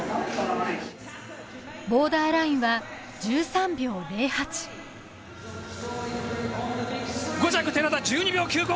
ボーダーラインは１３秒０８５着寺田１２秒９５！